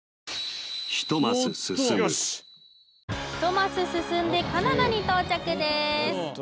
１マス進んでカナダに到着です